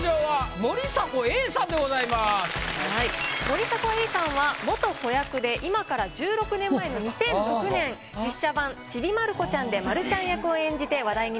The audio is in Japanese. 森迫永依さんは元子役で今から１６年前の２００６年実写版「ちびまる子ちゃん」でまるちゃん役を演じて話題になりました。